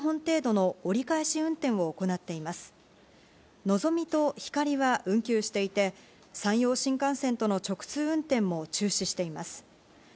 のぞみと、ひかりは運休していて、山陽新幹線との直通運転も中止しています。